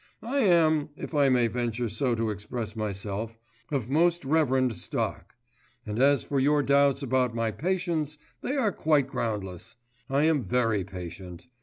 I am, if I may venture so to express myself, of most reverend stock. And as for your doubts about my patience, they are quite groundless: I am very patient.